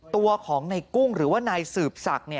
ตัวของนายกุ้งหรือว่านายสืบสัก